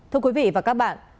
thưa quý vị và các bạn